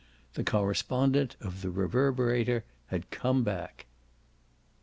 The correspondent of the Reverberator had come back.